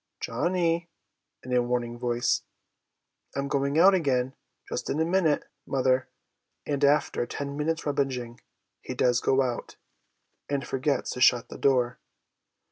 'Johnny!' in a warning voice. 'I'm going out again just in a minute, mother,' and after ten minutes' rummaging he docs go out, and forgets to shut the door.